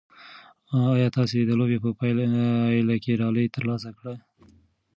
ایا تاسي د لوبې په پایله کې ډالۍ ترلاسه کړه؟